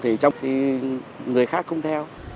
thì trong khi người khác không theo